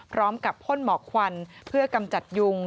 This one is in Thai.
พร้อมกับพ่นหมอกควันเพื่อกำจัดยุง